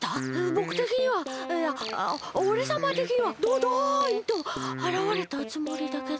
ぼくてきにはいやおれさまてきにはドドンとあらわれたつもりだけど。